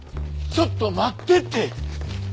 ちょっと待ってって！